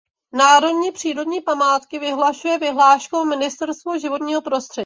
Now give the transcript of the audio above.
Národní přírodní památky vyhlašuje vyhláškou Ministerstvo životního prostředí.